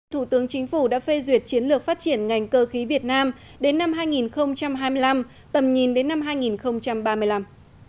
thủ tướng chính phủ đã phê duyệt chiến lược phát triển ngành cơ khí việt nam đến năm hai nghìn hai mươi năm tầm nhìn đến năm hai nghìn ba mươi năm